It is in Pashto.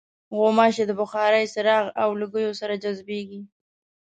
غوماشې د بخارۍ، څراغ او لوګیو سره جذبېږي.